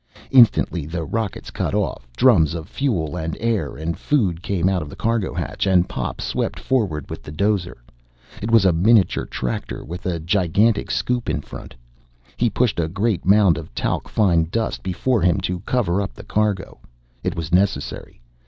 Instantly the rockets cut off, drums of fuel and air and food came out of the cargo hatch and Pop swept forward with the dozer. It was a miniature tractor with a gigantic scoop in front. He pushed a great mound of talc fine dust before him to cover up the cargo. It was necessary.